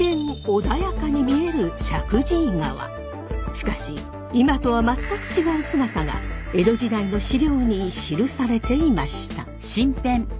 しかし今とは全く違う姿が江戸時代の資料に記されていました。